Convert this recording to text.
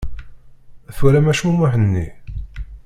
Twalam acmumeḥ-nni?